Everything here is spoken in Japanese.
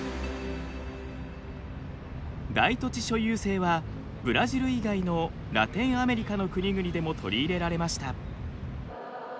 大土地所有制はブラジル以外のラテンアメリカの国々でも取り入れられました。